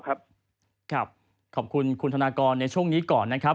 ขอบคุณคุณธนากรในช่วงนี้ก่อนนะครับ